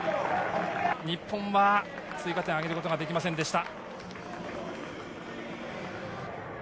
日本は追加点をあげることができませんでした。